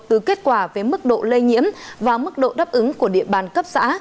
từ kết quả về mức độ lây nhiễm và mức độ đáp ứng của địa bàn cấp xã